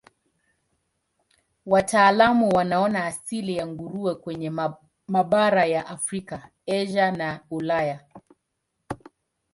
Wataalamu wanaona asili ya nguruwe kwenye mabara ya Afrika, Asia na Ulaya.